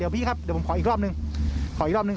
ผมขออีกรอบหนึ่ง